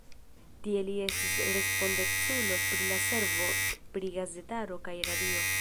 Tie li estis respondeculo pri la servo pri gazetaro kaj radio.